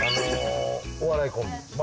お笑いコンビ。